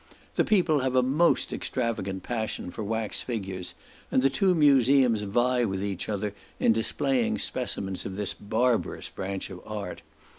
The people have a most extravagant passion for wax figures, and the two museums vie with each other in displaying specimens of this barbarous branch of art.